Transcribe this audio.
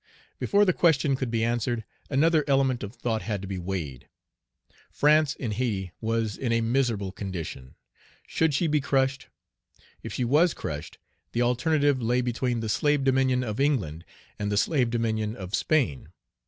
Before the question could Page 77 be answered, another element of thought had to be weighed. France in Hayti was in a miserable condition. Should she be crushed? If she was crushed, the alternative lay between the slave dominion of England, and the slave dominion of Spain.